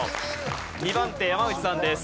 ２番手山内さんです。